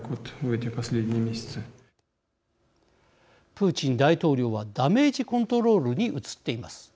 プーチン大統領はダメージコントロールに移っています。